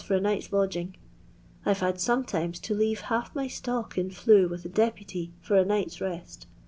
for a night's lodging. I Ve had aometiroes to leave half my stock in flue with a deputy for a night's rest.